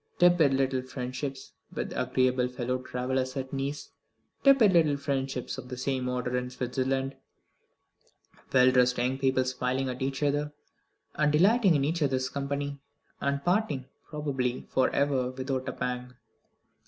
Tepid little friendships with agreeable fellow travellers at Nice; tepid little friendships of the same order in Switzerland; well dressed young people smiling at each other, and delighting in each other's company; and parting, probably for ever, without a pang.